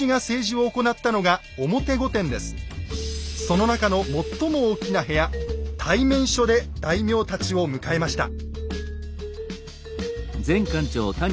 その中の最も大きな部屋「対面所」で大名たちを迎えました。